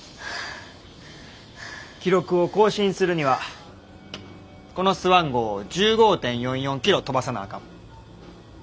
記録を更新するにはこのスワン号を１５．４４キロ飛ばさなあかん。